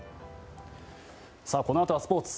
このあとはスポーツ。